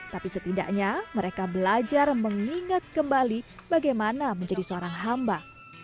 tapi setidaknya mereka belajar mengingat kembali bagaimana menjadi seorang hamba